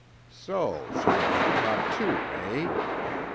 So she'll be caught, too, eh?